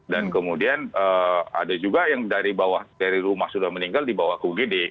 dan kemudian ada juga yang dari rumah sudah meninggal di bawah ugd